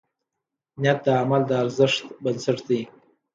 نیت د عمل د ارزښت بنسټ دی.